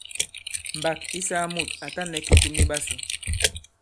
Mbàk ǐ saa mùt à ta nɛ kitum i ɓasū.